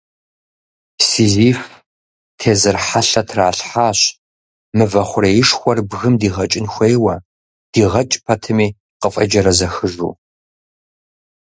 Сизиф тезыр хьэлъэ тралъхьащ, мывэ хъуреишхуэр бгым дикъэкӏын хуейуэ, дигъэкӏ пэтми, къыфӏеджэрэзэхыжу.